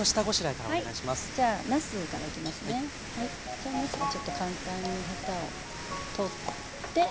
じゃあなすはちょっと簡単にヘタを取って。